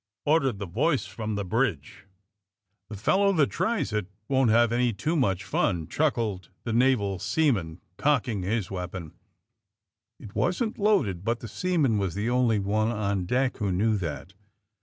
'' ordered the voice from the bridge. ^'The fellow that tries it won't have any too much fun," chuckled the naval seaman, cocking his weapon. It wasn't loaded, but the seaman was the only one on deck who knew that.